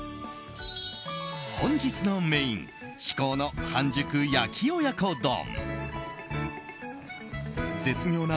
本日のメイン至高の半熟焼き親子丼。